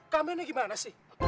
kamennya gimana sih